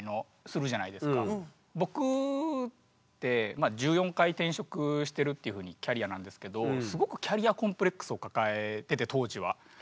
まあ当然ながらこのっていうふうなキャリアなんですけどすごくキャリアコンプレックスを抱えてて当時は。